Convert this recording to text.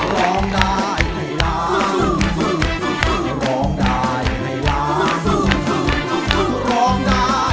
ร้องได้ถูกต้น